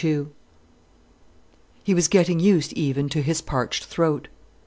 II He was getting used even to his parched throat.